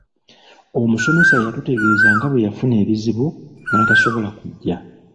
Omusomesa yatutegeeza nga bweyafuna ebizibu n'atasobola kujja.